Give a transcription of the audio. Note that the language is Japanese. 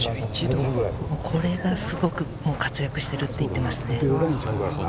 これがすごく活躍しているって言ってました。